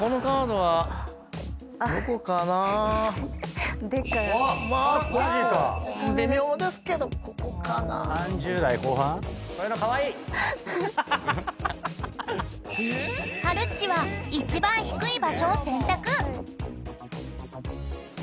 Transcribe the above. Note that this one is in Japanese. ［はるっちは一番低い場所を選択］